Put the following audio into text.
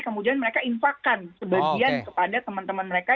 kemudian mereka infakkan sebagian kepada teman teman mereka